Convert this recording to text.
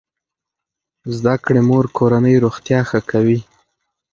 زده کړې مور کورنۍ روغتیا ښه کوي.